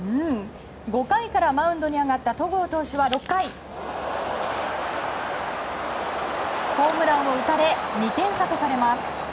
５回からマウンドに上がった戸郷投手は６回ホームランを打たれ２点差とされます。